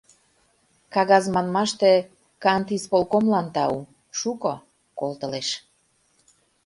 Кагаз манмаште, Кантисполкомлан тау: шуко колтылеш.